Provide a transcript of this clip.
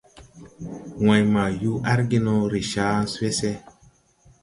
Wãy ma yuu argi no ree ca wese.